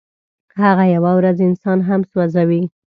هغه یوه ورځ انسان هم سوځوي.